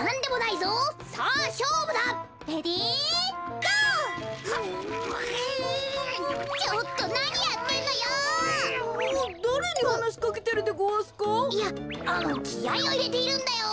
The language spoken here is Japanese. いやあのきあいをいれているんだよ。